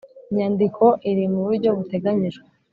Nyandiko iri mu buryo buteganyijwe